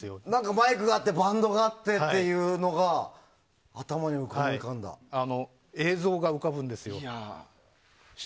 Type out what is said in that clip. マイクがあってバンドがあってっていうのが映像が浮かぶんですよ。